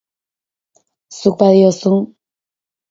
Zuk badiozu!